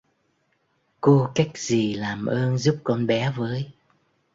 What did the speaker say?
cô cách gì làm ơn giúp con bé với